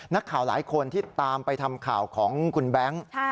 นักข่าวหลายคนที่ตามไปทำข่าวของคุณแบงค์